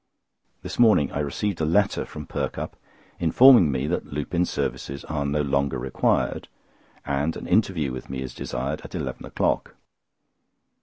This morning I receive a letter from Perkupp, informing me that Lupin's services are no longer required, and an interview with me is desired at eleven o'clock.